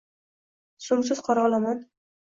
So’ngsiz qora olomon.